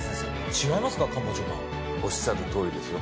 違いますか官房長官おっしゃるとおりですよ